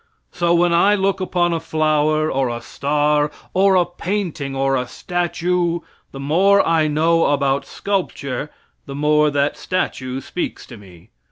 So, when I look upon a flower, or a star, or a painting, or a statue, the more I know about sculpture the more that statue speaks to me.